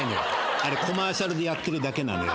あれコマーシャルでやってるだけなのよ。